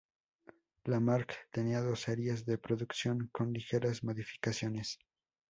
La Mark I tenía dos series de producción, con ligeras modificaciones.